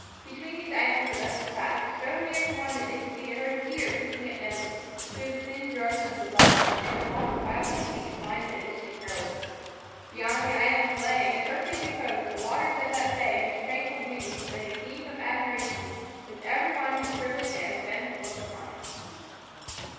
Between these islands the vessel passed, so near to one that they could see a herd of deer peeping at them through the thin growth of the bluff, and a flock of wild turkeys flying to a distant grove. Beyond the islands lay, in perfect repose, the waters of that bay whose tranquil beauty has been a theme of admiration with every one whose privilege it has been to look upon it.